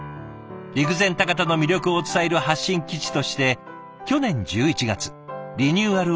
陸前高田の魅力を伝える発信基地として去年１１月リニューアル